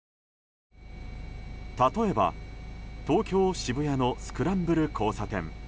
例えば東京・渋谷のスクランブル交差点。